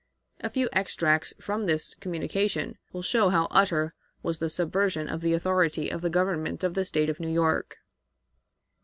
A few extracts from this communication will show how utter was the subversion of the authority of the government of the State of New York.